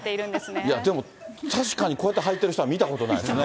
いやでも、確かにこうやってはいてる人は見たことないですね。